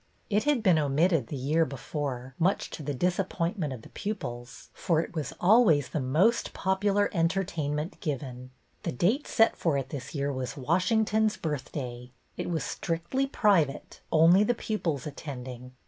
It had been omitted the year before, much to the disappointment of the pupils, for it was always the most jDopular entertain ment given. The date set for it this year was Washington's Birthday. It was strictly private, only the pupils attending.